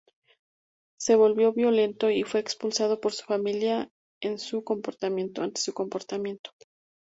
Se volvió violento y fue expulsado por su familia ante su comportamiento.